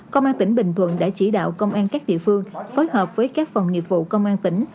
công an tỉnh bình thuận đã chỉ đạo công an các địa phương phối hợp với các phòng nghiệp vụ công an tỉnh